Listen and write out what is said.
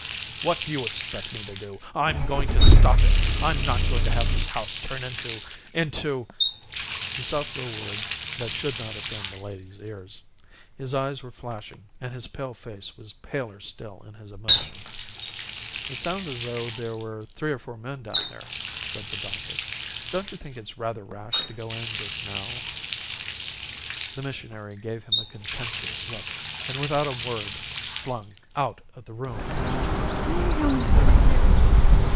"What do you expect me to do? I'm going to stop it. I'm not going to have this house turned into into...." He sought for a word that should not offend the ladies' ears. His eyes were flashing and his pale face was paler still in his emotion. "It sounds as though there were three or four men down there," said the doctor. "Don't you think it's rather rash to go in just now?" The missionary gave him a contemptuous look and without a word flung out of the room.